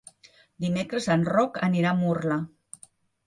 Dimecres en Roc anirà a Murla.